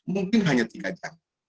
mungkin hanya tiga jam